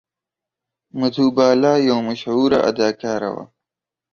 مدهو بالا یوه مشهوره اداکاره وه.